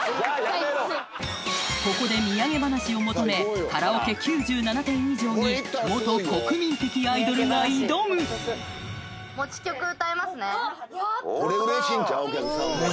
ここでみやげ話を求めカラオケ９７点以上に元国民的アイドルが挑むやった嬉しい！